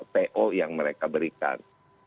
po yang mereka berikan